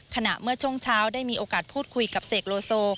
เมื่อช่วงเช้าได้มีโอกาสพูดคุยกับเสกโลโซ